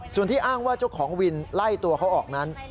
ส่วนที่อ้างว่าเจ้าของวินไล่ตัวเขาออกนั้น